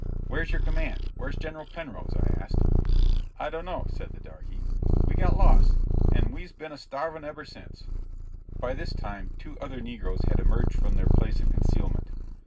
"Where's your command? Where's General Penrose?" I asked. "I dunno," said the darkey; "we got lost, and we's been a starvin' eber since." By this time two other negroes had emerged from their place of concealment.